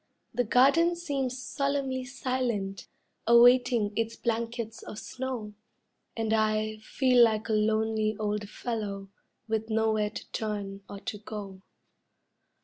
The garden seems solemnly silent, awaiting its blankets of snow, And I feel like a lonely old fellow with nowhere to turn or to go.